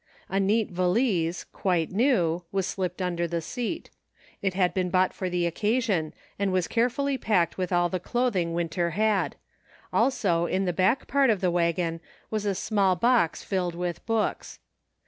A neat va lise, quite new, was slipped under the seat ; it had been bought for the occasion, and was carefully packed with all the clothing Winter had ; also in the back part of the wagon was a small box filled with books.